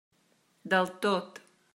Del tot.